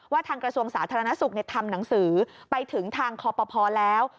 ทางกระทรวงสาธารณสุขทำหนังสือไปถึงทางคอปภแล้ว